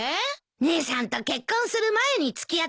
姉さんと結婚する前に付き合ってた人だよ。